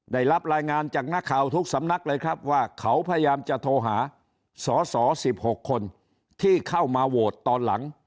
ได้รับรายงานจากนักข่าวทุกสำนักเลยครับว่าเขาพยายามจะโทรหาสอสอ๑๖คนที่เข้ามาโหวตตอนหลัง